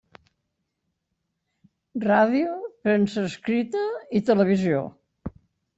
Ràdio, Premsa Escrita i Televisió.